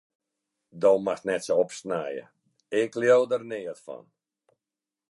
Do moatst net sa opsnije, ik leau der neat fan.